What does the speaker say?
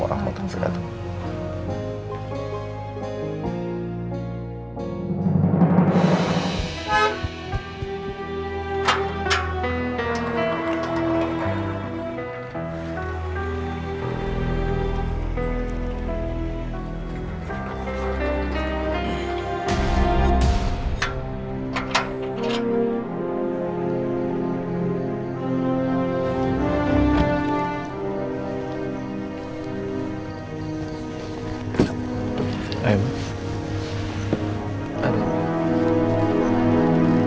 assalamualaikum warahmatullahi wabarakatuh